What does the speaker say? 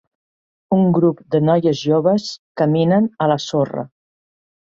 Un grup de noies joves caminen a la sorra.